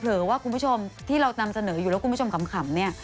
ว่าคุณผู้ชมที่เรานำเสนออยู่แล้วคุณผู้ชมขำเนี่ย